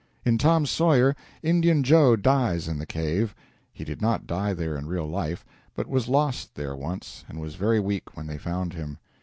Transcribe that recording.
In Tom Sawyer, Indian Joe dies in the cave. He did not die there in real life, but was lost there once and was very weak when they found him.